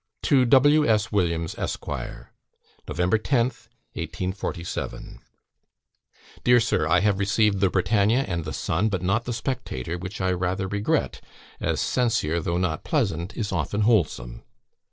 To W. S. WILLIAMS, ESQ. "Nov. 10th, 1847. "Dear Sir, I have received the Britannia and the Sun, but not the Spectator which I rather regret, as censure, though not pleasant, is often wholesome.